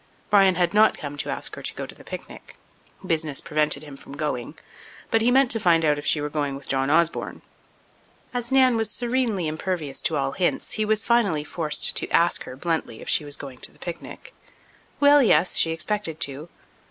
Bryan had not come to ask her to go to the picnic—business prevented him from going. But he meant to find out if she were going with John Osborne. As Nan was serenely impervious to all hints, he was finally forced to ask her bluntly if she was going to the picnic. Well, yes, she expected to.